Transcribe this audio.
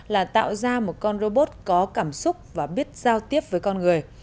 là tạo ra một con robot có cảm xúc và biết giao tiếp với con người